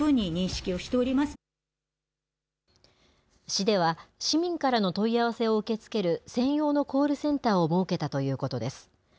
市では、市民からの問い合わせを受け付ける専用のコールセンターを設けたということです。